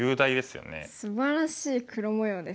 すばらしい黒模様ですね。